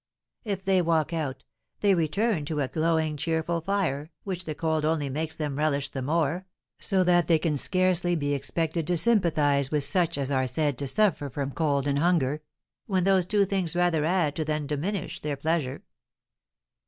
If they walk out, they return to a glowing, cheerful fire, which the cold only makes them relish the more; so that they can scarcely be expected to sympathise with such as are said to suffer from cold and hunger, when those two things rather add to than diminish their pleasure."